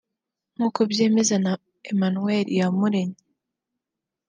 nk’uko byemezwa na Emmanuel Iyamurenye